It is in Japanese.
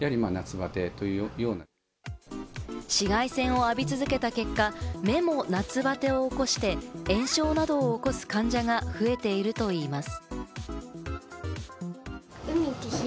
紫外線を浴び続けた結果、目も夏バテを起こして、炎症などを起こす患者が増えているといいます。